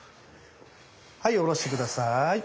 はい下ろして下さい。